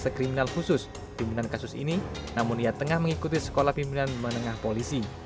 tim juga mengkonfirmasi kepada dirai skrim sus dan wadidri skrim sus namun tidak ada tanggapan